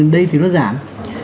đây thì nó giảm